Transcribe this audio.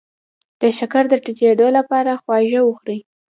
د شکر د ټیټیدو لپاره خواږه وخورئ